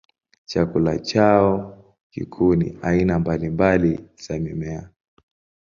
Chakula chao kikuu ni aina mbalimbali za mimea.